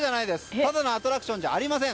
ただのアトラクションじゃありません。